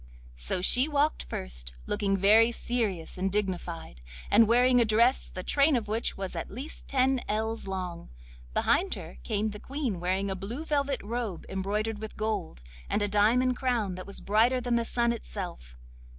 So she walked first, looking very serious and dignified, and wearing a dress the train of which was at least ten ells long. Behind her came the Queen wearing a blue velvet robe embroidered with gold, and a diamond crown that was brighter than the sun itself.